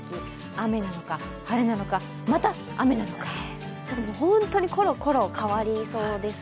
雨なのか、晴れなのか、また雨なのか、本当にころころ変わりそうです。